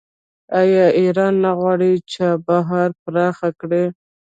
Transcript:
آیا ایران نه غواړي چابهار پراخ کړي؟